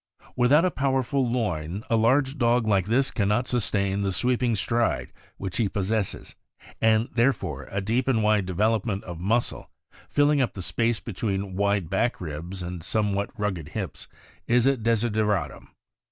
— Without a powerful loin, a large dog like this can not sustain the sweeping stride which he possesses, and therefore a deep and wide development of muscle, filling up the space between wide back ribs and somewhat rugged hips, is a desideratum.